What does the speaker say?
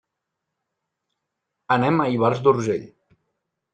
Anem a Ivars d'Urgell.